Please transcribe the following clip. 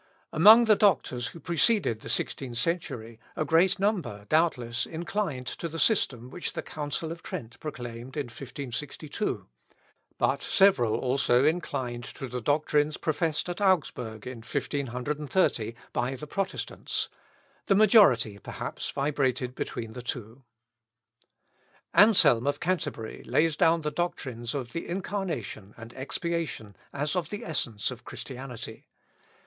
Among the doctors who preceded the sixteenth century, a great number, doubtless, inclined to the system which the Council of Trent proclaimed in 1562, but several also inclined to the doctrines professed at Augsburgh in 1530 by the Protestants; the majority, perhaps, vibrated between the two. Anselm of Canterbury lays down the doctrines of the incarnation and expiation as of the essence of Christianity.